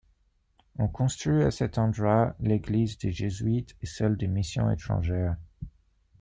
On construit à cet endroit l'église des Jésuites et celle des Missions étrangères.